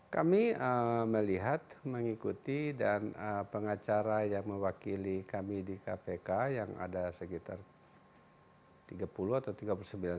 kami melihat mengikuti dan pengacara yang mewakili kami di kpk yang ada sekitar tiga puluh atau tiga puluh sembilan